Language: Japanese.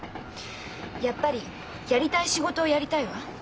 やっぱりやりたい仕事をやりたいわ。